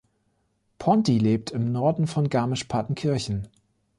Ponti lebt im Norden von Garmisch-Partenkirchen.